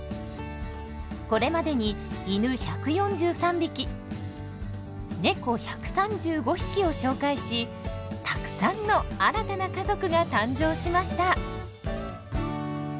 これまでに犬１４３匹猫１３５匹を紹介したくさんの新たな家族が誕生しました。